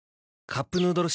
「カップヌードル」